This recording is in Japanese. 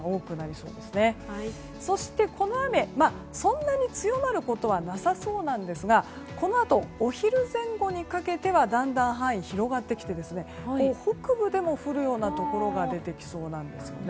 そして、この雨はそんなに強まることはなさそうなんですがこのあとお昼前後にかけてはだんだん範囲が広がってきて北部でも降るようなところが出てきそうなんです。